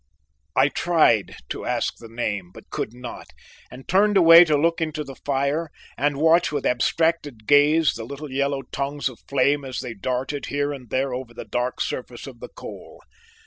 I tried to ask the name, but could not, and turned away to look into the fire and watch with abstracted gaze the little yellow tongues of flame as they darted here and there over the dark surface of the coal.